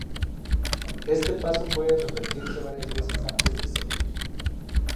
Este paso puede repetirse varias veces antes de servir.